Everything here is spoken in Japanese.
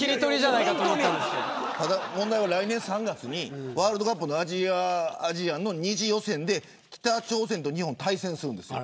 ただ、問題は来年３月にワールドカップのアジアの２次予選で北朝鮮と日本が対戦するんです。